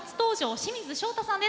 清水翔太さんです。